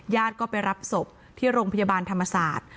ญาติก็ไปรับศพที่โรงพยาบาลธรรมศาสตร์